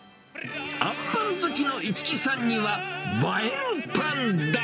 あんパン好きの市來さんには、映えるパンだ。